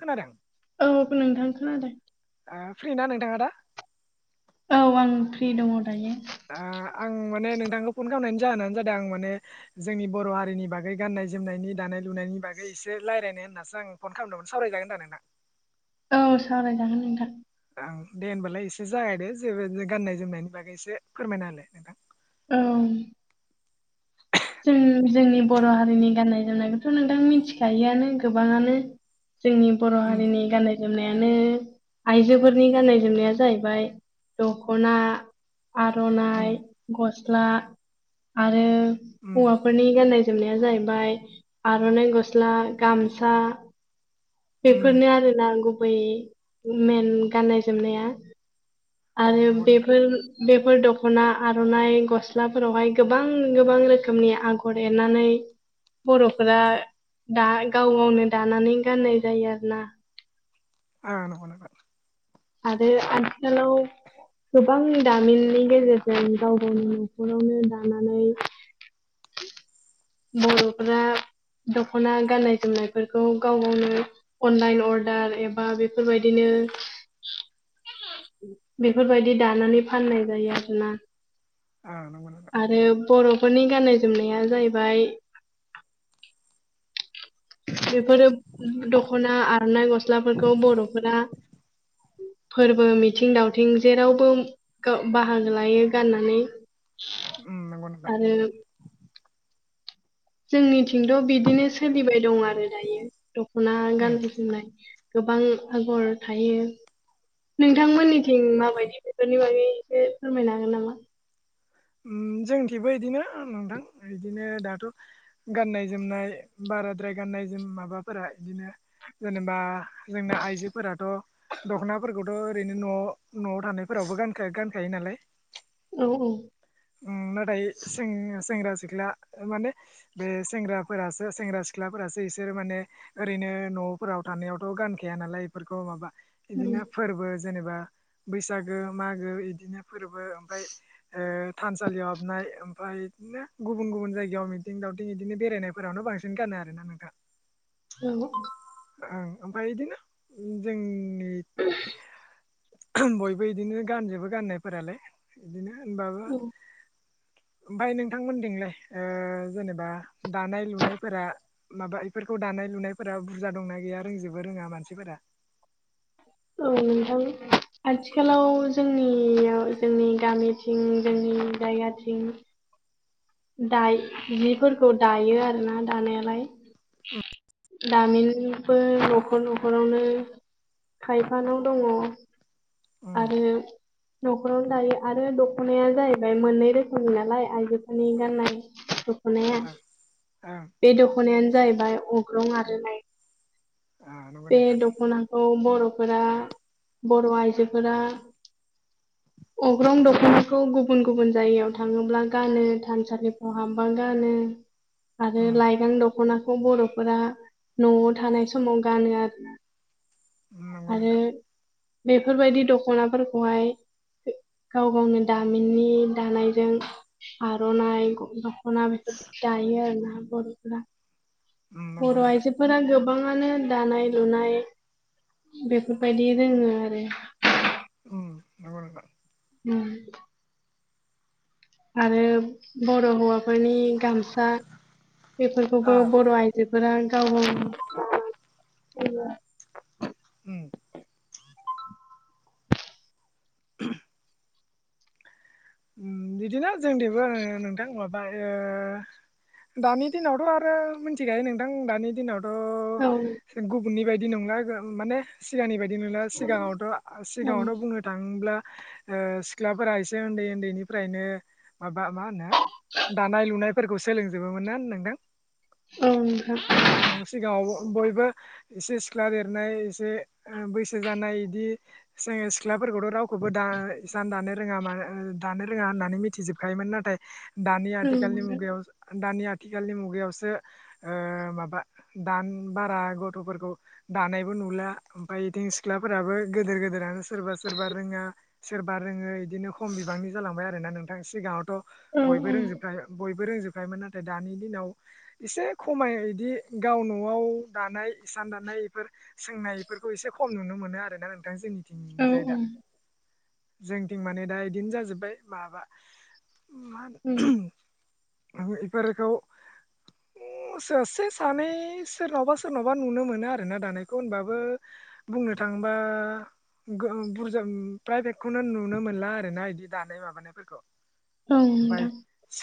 खोनादों? औ नोंथां खोनादों। आ फ्रि ना नोंथाङा दा? औ आं फ्रि दङ' दायो। आ आं माने नोंथांखौ फन खामनायनि जाहोनानो जादों आं माने जोंनि बर' हारिनि बागै गान नाय जोमनायनि दानाय लुनायनि बागै एसे लायरायनो होननासो आं फन खामदोंमोन सावरायजागोन दा नों ना? औ सावरायजागोन नोंथां। ओं दे होनबालाय एसे जागायदो जेबो गाननाय जोमनायनि बागै एसे फोरमायना होलाय नोंथां। औ। जों जोंनि बर' हारिनि गाननाय जोमनायखौथ' नोंथां मिथिखायोआनो गोबाङानो। जोंनि बर' उम हारिनि गाननाय जोमनाया यानो आइजोफोरनि गाननाय जोमनाया जायैबाय द'खना उम आर'नाइ गस्ला आरो उम हौवाफोरनि गाननाय जोमनाया जायैबाय आर'नाइ गस्ला, गामसा उम बेफोरनो आरो ना गुबै मेन गाननाय जोमनाया। ओं आरो नंगौ नोंथां बेफोर बे फोर द'खना आर'नाइ गस्लाफोरावहाय गोबां गोबां रोखोमनि आगर एरनानै बर'फोरा दा गाव गावनो दानानै गाननाय जायो आरो ना। ओ नोंगौ नोंथां। आरो आथिखालाव गोबां दामिननि गेजेरजों गाव गावनि न'खरावनो दानानै बर'फोरा द'खना गाननाय जोमनायफोरखौ गाव गावनो अनलाइन अर्डार एबा बेफोर बायदिनो नो बेफोरबायदि दानानै फाननाय जायो आरो ना। औ नोंगौ नोंथां। बर'फोरनि गाननाय जोमनाया जायैबाय बेफोरो द'खना आर'नाइ गस्लाफोरखौ बर'फोरा फोरबो मिथिं दावथिं जेरावबो गा बाहागो लायो गाननानै। ओम नंगौ नोंथां। आरो जोंनिथिंथ' बिदिनो सोलिबाय दं आरो दायो द'खना उम गाननाय जोमनाय गोबां आगर थायो। नोंथांमोननिथिं माबायदि बेफोरनि बागै एसे फोरमायनो हागोन नामा? उम जोंथिंबो इदिनो नोंथां इदिनो दाथ' गाननाय जोमनाय बा बाराद्राय गाननाय जोम माबाफोरा इदिनो जेनेबा जोंना आइजोफोराथ' द'खनाफोरखौथ' ओरैनो न'आव न'आव थानायफोरावबो गानखा गानखायो नालाय। औ औ। ओं नाथाय सें-सेंग्रा सिख्ला माने बे सेंग्राफोरासो सेंग्रा सिख्ला फोरासो इसोर माने ओरैनो न'फोराव थानायावथ' गानखाया नालाय इफोरखौ माबा इदिनो फोरबो जेनेबा बैसागो मागो इदिनो फोरबो ओमफाय ओ थानसालियाव हाबनाय ओमफाय बिदिनो गुबुन गुबुन जायगायाव मिथिं दावथिं बिदिनो बेरायनायफोरावनो बांसिन गाननाय आरो ना नोंथां। औ। ओं ओमफाय बिदिनो जोंनि [unintelligible] बयबो बिदिनो गानजोबो गाननायफोरालाय बिदिनो होनबाबो ओमफाय नोंथांमोनथिंलाय ओ जेनेबा दानाय लुनायफोरा माबा इफोरखौ दा नाय लुनायफोरा बुरजा दंना गैया रोंजोबो रोङा मानसिफोरा [unintelligible] नोंथां आथिखालाव जोंनियाव जोंनि गामिथिं जोंनि जोंनि जायगाथिं दाय जिफोरखौ दायो आरोना दानायालाय। दामिनबो न'खर न'खरावनो खायफानाव दङ। उम आरो। न'खरावनो दायो आरो दख'नाया जाहैबाय मोननै रोखोमनि नालाय आइजो। दखनि गाननाय दख'नाया ओं ओं बे दखना। दख'नायानो जाहैबाय अग्रं आरनाय ओ नंगौ बे नोंथां दख'ना। औ बर'फोरा बर' आइजोफोरा। अग्रं दख'नाखौ गुबुन गुबुन जायगायाव थाङोब्ला गानो। थानसालिफ्राव हाबबा गानो आरो उम लाइगां दख'नाखौ बर'फोरा। न'आव थानाय समाव गानो आरो ना नंगौ आरो। नोंथां बेफोरबायदि दखनाफोरखौहाय। गाव गावनो दामिननि दानायजों आरो। दखना बे जायो आरो ना बर'फोरा। उम नंगौ बर' नोंथां आइजोफोरा गोबां। गोबाङानो दानाय लुनाय बेफोरबायदि रोङो आरो। औ नोंगौ नोंथां। ओं। आरो बर' हौवाफोरनि गामसा ओ बेफोरखौबो बर' आइजो। बेफोर गाव गावनि उम उम बिदिनो जोंदिबो होनो नोंथां माबा ओ दानि दिनावथ' आरो मिथिखायो नोंथां दानि दिनावथ'। औ ओ गुबुननि बायदि नंला माने सिगांनि बायदि। बिदिनो सिगाङावथ' औ सिगाङावथ' बुंनो थाङोब्ला। ओ सिख्लाफोरा एसे उन्दै उन्दैनिफ्रायनो। माबा मा होनो दानाय लुनायफोरखौ सोलोंजोबोमोन ना नोंथां। औव नोथां। ओं सिगाङाव बयबो एसे सिख्ला देरनाय एसे बैसो जानाय बिदि जों सिख्ला। फोरथ' रावखौबो दा हिसान दानो रोङा मा ओ दानो रोङा होननानै मिथिजोबखायोमोन नाथाय दानि औ आथिखालनि नोंथां मुगायाव। दानि आथिखालनि मुगायावसो ओ माबा दान बारा गथ'फोरखौ। दानायबो नुला ओमफ्राय ओयथिं सिख्लाफोराबो गिदोर गोदोरानो सोरबा सोरबा रोङा सोरबा रोङा। ओं बेदिनो खम बिबांनि जालांबाय आरो नोंथां सिगाङावथ औ बयबो रोंजोब खायोमोन। रोंजोबखायो मोन नाथाय दानि दिनाव एसे खमाय बिदि गाव न'आव दानाय। हिसान दाननाय बेफोर सोंनाय बेफोरखौ एसे खम नुनो मोनो आरो ना नोंथां जोंनिथिं। औ उम जाय दा जोंथिं माने दा इदिनो जाजोब्बाय माबा। मा औ होनो। इफोरखौ सासे सानै सोरनावबा सोरनावबा नुनो मोनो आरोना दानायखौ होनबाबो। बुंनो थाङोबा गो बुरजा प्राइभेटखौनो नुनो मोनला आरोना बिदि। दानाय माबानायफोरखौ। ओं ओमफाय नोंथां।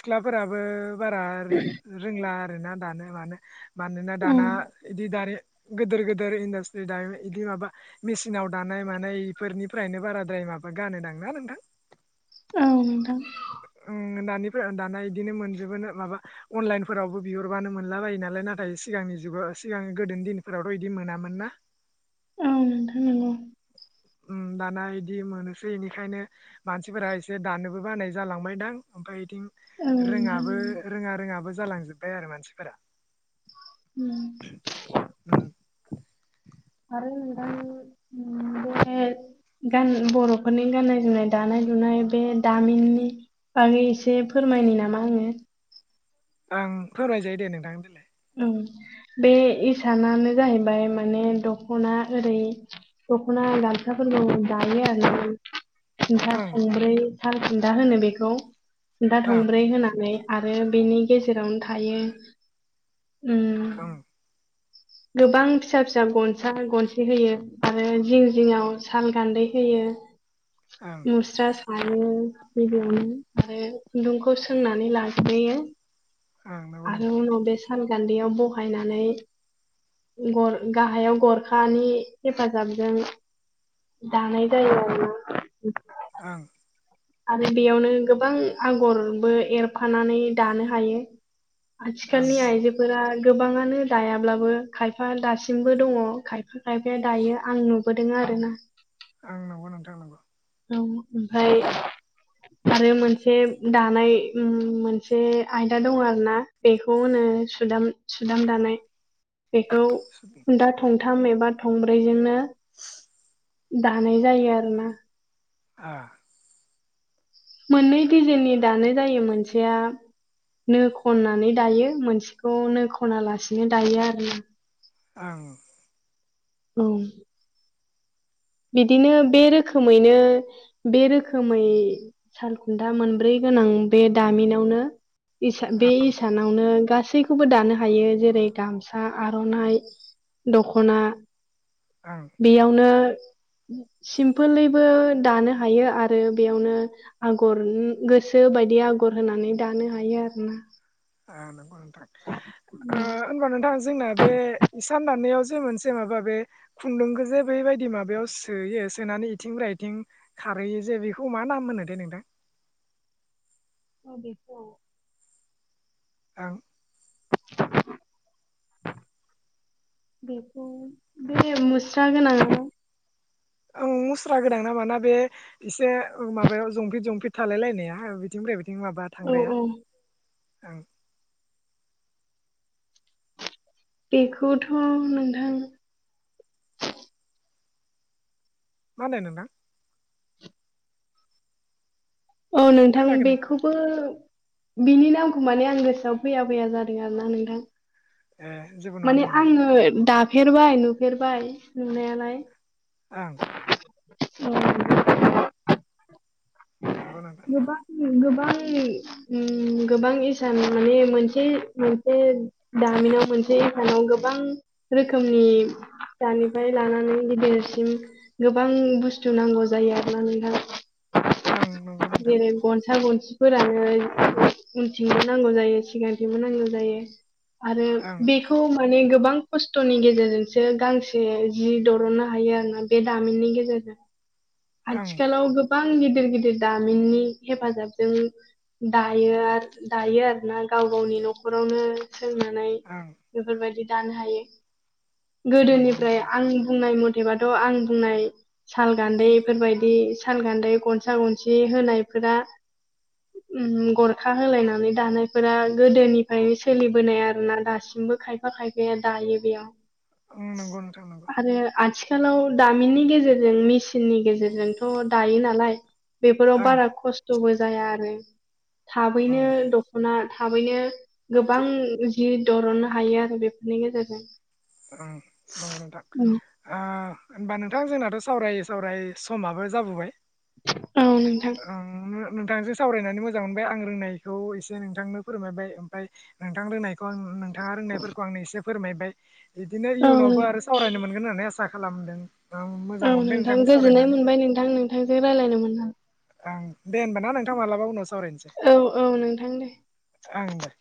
सिख्लाफोराबो बारा रो रोंला आरोना दानो मानो। मानोना औ दाना बिदि दारिे गोदेर गोदेर इन्डास्ट्रि दानाय बिदि माबा मेसिनाव दानाय मानाय बेफोरनिफ्रायनो बाराद्राय मा माबा गानोदांना नोंथां औ नोंथां। दानि दाना बिदिनो मोनजोबोननो माबा अनलाइनफोरावबो बिहरबानो मोनला बायो नालाय नाथाय सिगांनि जाव सिगां गोदोनि दिनफोरावथ' बिदि मोनामोन ना औ नोंथां नंगौ उम दाना इदि मोनोसै बेनिखायनो मानसिफोरा एसे दानोबो बानाय जालांबायदां ओमफ्राय बिथिं औ नोंथां रोङाबो नंगौ रोङा रोङाबो जालांजोबबाय आरो मानसिफोरा उम [inaudible] आरो दाम बे गान बर'फोरनि गाननाय जोमनाय दानाय लुनाय बे दामिननि बागै एसे फोर खमायनो नामा आङो ओं फोरमायजायो दे नोंथांनि देलाय औ बे इसानानो जाहैबाय माने दख'ना ओरै दख'ना गामसाफोर दायो आरो खुन्था ओं थंब्रै साल खुन्था होनो बेखौ खुन्था ओं थंब्रै होनानै आरो बेनि गेजेरावनो थायो उम आ ओं गोबां फिसा फिसा गनसा गनसे होयो आरो जिं जिङाव साल गान्दै होयो ओं मुस्रा आरो बेदियावनो खुन्दुंखौ सोंनानै लाग्रोयो ओं नंगौ आरो नोंथां उनाव बे सालगान्दैयाव बहायनानै गर गाहायाव गरखानि हेफाजाबजों दानाय जायो आरोना आं आरो बेयावनो गोबां आगरबो एरफानानै दानो हायो ओं आथिखालनि नंगौ आइजोफोरा गोबाङानो दायाब्लाबो खायफा दासिमबो दङ खायफा खायफाया दायो आं नुबोदों आरो आरोना आं नंगौ नोंथां नंगौ औ ओमफाय आरो मोनसे दानाय मोनसे आयदा दङ आरो ना बेखौ होनो सुदाम सुदाम दानाय बेखौ खुन्दा थंथाम एबा थंब्रैजोंनो दानाय जायो आरोना [unintelligible] मोननै दिजाइननि दानाय जायो मोनसेया नो खननानै दायो मोनसेखौ नो खना लासिनो दायो आरो आं औ बिदिनो बे रोखोमैनो बे रोखोमै सालखुन्था मोनब्रै गोनां बे दामिनावनो बे इसानावनो गै गासैखौबो दानो हायो जेरै गामसा आर'नाइ दख'ना ओं बेयावनो सिम्फोलैबो दानो हायो आरो बेयावनो आगर गोसो गो बायदि आगर होनानै दानो हायो आरो ना नंगौ नोंथांबा नोंथां ओ होनबा नोंथां जोंना बे इसान दनायाव जे मोनसे माबा बे खुन्दुंखौजे बेबायदि माबायाव सोयो सोनानै इथिं बायथिं खारहैयो जे बेखौ मा नाम मोनो दे नोंथां औ बेेखौ आं [inaudible] बेखौ बे मुस्रा गोनां ओं मुस्रा गोदां नामाना बे एसे माबायाव जंफिट जंफिट थालाय लायनाया बिदिनिफ्राय बे माबा औ थांग्राया ओं बेखौथ' नोंथां मा होनदों नोंथां? औ नोंथां बेखौबो बिनि नामखौ माने आं गोसोआव बैया बैया जादों आरो ना नोंथां। ए जेबो नङा दे माने नोंथां आङो दाफेरबाय नुफेरबाय नुनायालाय। आं। [unintelligible] नंगौ नोंथां। गोबां गोबां ओ गोबां इसाम माने मोनसे मोनसे दा जमिनाव मोनसे एकाव गोबां रोखोमनि दानिफ्राय लानानै गिदिरसिम गोबां बुस्थु नांगौ जायो आरोना नोंथां। आं नंगौ नोंथां। मानसिफोरानो उनथिंबो नांगौ जायो, सिगांथिबो नांगौ जायो आरो ओं बेखौ माने गोबां खस्थ'नि गेजेरजोंसो गांसे जि दर'ननो हायो आरोना बे दामिननि गेजेर जों। ओं आथिखालाव गोबां गिदिर गिदिर दामिननि हेफाजाबजों दायो आरो दायो आरोना गाव गावनि न'खराव नो सोंनानै ओं बेफोरबायदि दानो हायो। नंगौ गोदोनिफ्राय नोंथां आं बुंनाय म थेबाथ' आं बुंनाय साल गान्दैफोरबायाददि साल गान्दै गनसा गन सि होनायफोरा उम गरखा होलायनानै दानायफोरा गोदोनिफ्रायनो सोलिबोनाय आरोना दासिम। बो खायफा खायफाया दायो बेयाव अ नंगौ नोंथां नंगौ। आरो आथिखालाव दामिननि गेजेरजों मेसिननि गेजेरजोंथ' दायो नालाय। बेफोराव ओं बारा खस्थ'बो जाया आरो थाबैनो ओं दख'ना थाबैनो गोबां जि दरननो हायो आरो बेफोरनि गेजेरजों। उम नंगौ नोंथां। ओ होमबा नोंथां जोंनाथ' सावरायै सावरायै समाबो जाबोबाय [inaudible] ओंओ नोंथांजों सावरायनानै मोजां मोनबाय आं रोंनायखौ एसे नोंथांनो फोरमायबाय ओमफ्राय नोंथां रोंनायखौ आं नोंथाङा रोंनायफोरखौ आंनो एसे फोरमायबाय बिदिनो औ नों इयुनावबो आरो सावरायनो मोनगोन होननानै आसा खालामदों। औ मोजां मोनबाय नोंथां नोंथांजों गोजोननाय सावरायनानै मोनबाय नोंथां नोंथांजों रायज्लायनो मोननानै। ओं दे होनबाना नोंथां मालाबा उनाव सावरायनोसै। औ औ नोंथां दे ओं दे।